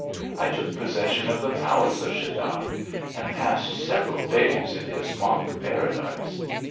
I took possession of the palace of Sheddad, and passed several days in his mock paradise.